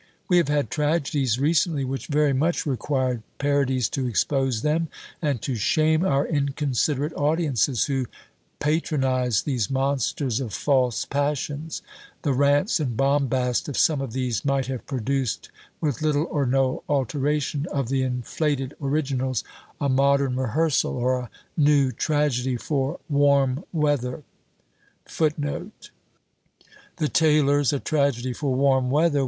We have had tragedies recently which very much required parodies to expose them, and to shame our inconsiderate audiences, who patronised these monsters of false passions. The rants and bombast of some of these might have produced, with little or no alteration of the inflated originals, A Modern Rehearsal, or a new Tragedy for Warm Weather.